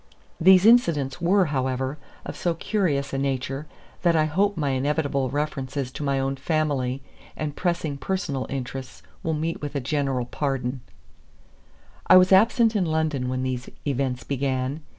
These incidents were, however, of so curious a character, that I hope my inevitable references to my own family and pressing personal interests will meet with a general pardon. I was absent in London when these events began.